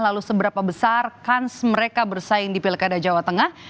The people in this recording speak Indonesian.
lalu seberapa besar kans mereka bersaing di pilkada jawa tengah